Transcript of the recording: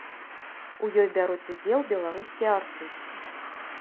У ёй бяруць удзел беларускія артысты.